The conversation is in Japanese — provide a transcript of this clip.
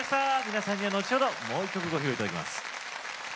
皆さんには後ほどもう一曲ご披露いただきます。